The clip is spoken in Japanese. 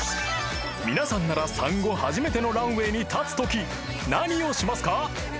［皆さんなら産後初めてのランウェイに立つとき何をしますか？］